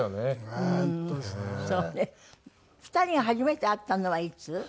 ２人が初めて会ったのはいつ？